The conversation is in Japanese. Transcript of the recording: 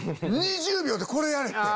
２０秒でこれやれ！って。